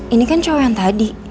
ini kan cowok yang tadi